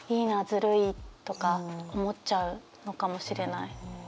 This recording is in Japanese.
「ずるい」とか思っちゃうのかもしれない。